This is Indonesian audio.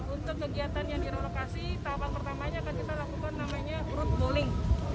untuk kegiatan yang direlokasi tahapan pertamanya akan kita lakukan namanya grup wuling